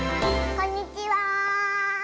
こんにちは！